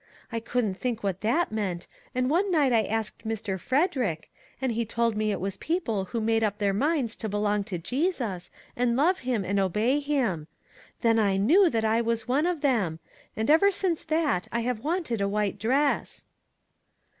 I couldn't think what that meant, and one night I asked Mr. Frederick, and he told me it was people who made up their minds to belong to Jesus and love him and obey him. Then I knew that I was one of them ; and ever since that I have wanted a white dress."